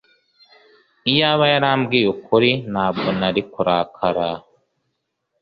iyaba yarambwiye ukuri, ntabwo nari kurakara